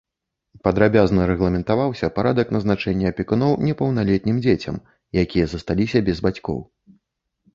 Падрабязна рэгламентаваўся парадак назначэння апекуноў непаўналетнім дзецям, якія засталіся без бацькоў.